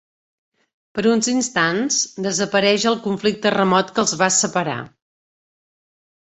Per uns instants desapareix el conflicte remot que els va separar.